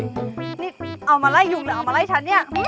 นี่เอามาไล่ยุงหรือเอามาไล่ฉันเนี่ย